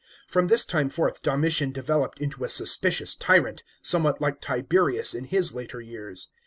From this time forth Domitian developed into a suspicious tyrant, somewhat like Tiberius in his later years.